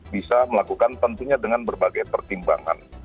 bisa melakukan tentunya dengan berbagai pertimbangan